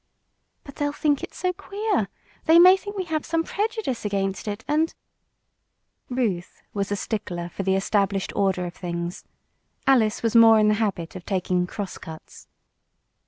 "But they'll think it so queer. They may think we have some prejudice against it, and " Ruth was a stickler for the established order of things. Alice was more in the habit of taking "cross cuts."